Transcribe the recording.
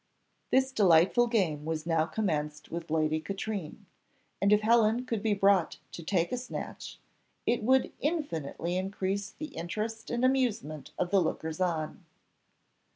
This delightful game was now commenced with Lady Katrine, and if Helen could be brought to take a snatch, it would infinitely increase the interest and amusement of the lookers on.